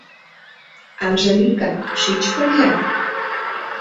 Анжелика, шич пырля?..